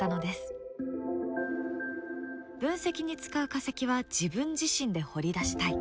分析に使う化石は自分自身で掘り出したい。